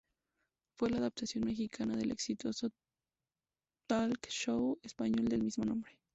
Fue la adaptación mexicana del exitoso talk-show español del mismo nombre.